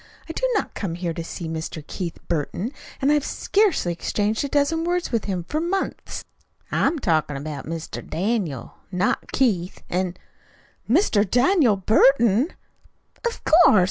I do not come here to see Mr. Keith Burton, and I've scarcely exchanged a dozen words with him for months." "I'm talkin' about Mr. Daniel, not Keith, an' " "Mr. DANIEL Burton!" "Of course!